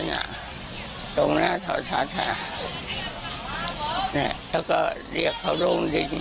ตรงหน้าตรงหน้าทศาสตร์ละเขาก็เรียกเขาลงดิน